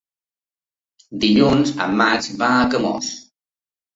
Dilluns en Max va a Camós.